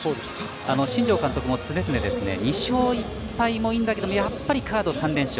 新庄監督も常々２勝１敗もいいんだけどやっぱりカード３連勝。